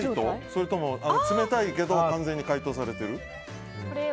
それとも冷たいけど完全に解凍されてる？